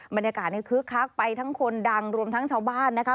บรรยากาศนี้คึกคักไปทั้งคนดังรวมทั้งชาวบ้านนะคะ